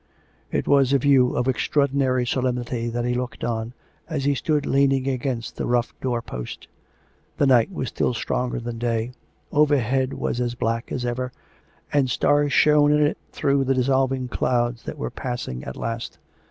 It was a view of extraordinary solemnity that he looked pn, as he stood leaning against the rough door post. The 410 COME RACK! COME ROPE! night was still stronger than day; overhead it was as black as ever, and stars shone in it through the dissolving clouds that were passing at last.